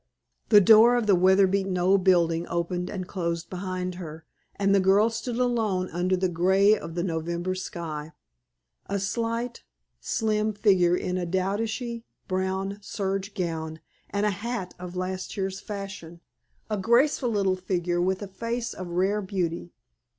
The door of the weather beaten old building opened and closed behind her, and the girl stood alone under the gray of the November sky a slight, slim figure in a dowdyish brown serge gown, and a hat of last year's fashion a graceful little figure with a face of rare beauty.